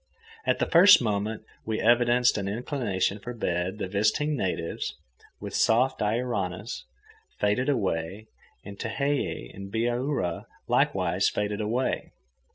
At the first moment we evidenced an inclination for bed the visiting natives, with soft Iaoranas, faded away, and Tehei and Bihaura likewise faded away.